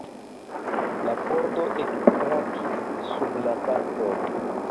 La pordo ekkrakis sub la batoj.